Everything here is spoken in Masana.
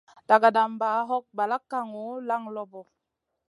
Dagadamba hog balak kaŋu, laŋ loɓo.